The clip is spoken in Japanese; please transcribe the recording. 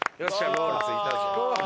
ゴール着いたぞ。